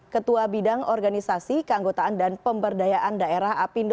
ketua bidang organisasi keanggotaan dan pemberdayaan daerah apindo